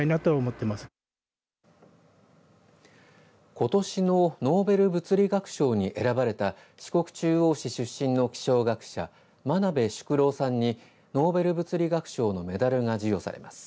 ことしのノーベル物理学賞に選ばれた四国中央市出身の気象学者真鍋淑郎さんにノーベル物理学賞のメダルが授与されます。